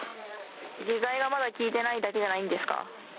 下剤がまだ効いてないだけじゃないんですか。